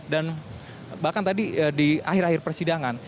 dan bahkan tadi di akhir akhir persidangan